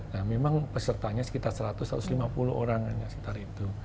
nah memang pesertanya sekitar satu ratus lima puluh orang hanya sekitar itu